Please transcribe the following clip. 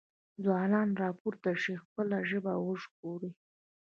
ځوانانو راپورته شئ خپله ژبه وژغورئ۔